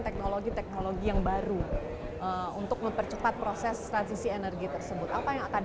teknologi teknologi yang baru untuk mempercepat proses transisi energi tersebut apa yang akan